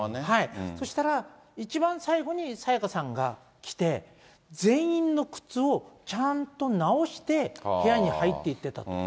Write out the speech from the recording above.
そしたら一番最後に沙也加さんが来て、全員の靴をちゃんと直して部屋に入っていってたと。